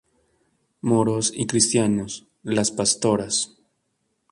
Moros y Cristianos, Las Pastoras.